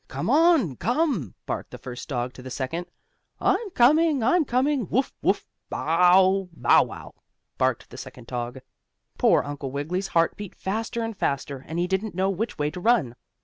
"Come on! Come!" barked the first dog to the second one. "I'm coming! I'm coming! Woof! Woof! Bow w w Bow wow!" barked the second dog. Poor Uncle Wiggily's heart beat faster and faster, and he didn't know which way to run.